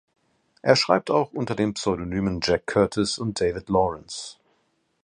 Er schreibt auch unter den Pseudonymen Jack Curtis und David Lawrence.